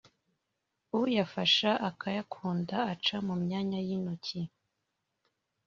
uyafashe ukayakanda aca mu myanya y’intoki